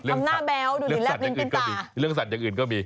เรื่องสัตว์อย่างอื่นก็มี